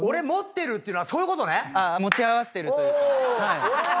持ち合わせてるというかはい。